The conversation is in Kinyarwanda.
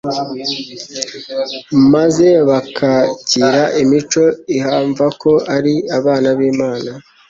maze bakakira imico ihamva ko ari abana b'Imana.